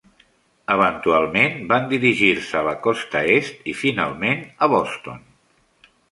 Eventualment van dirigir-se a la Costa Est i finalment a Boston.